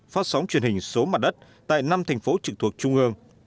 phát sóng truyền hình số mặt đất tại năm thành phố trực thuộc trung ương